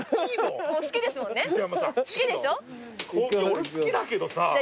俺好きだけどさ。